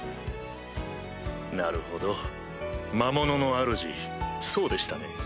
なるほど魔物のあるじそうでしたね。